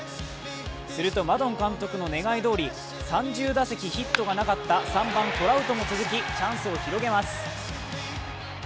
すると、マドン監督の願いどおり３０打席ヒットがなかった３番・トラウトも続きチャンスを広げます。